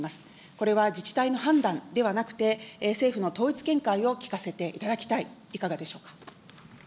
これは自治体の判断ではなくて、政府の統一見解を聞かせていただきたい、いかがでしょうか。